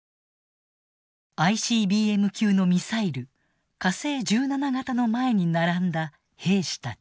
ＩＣＢＭ級のミサイル火星１７型の前に並んだ兵士たち。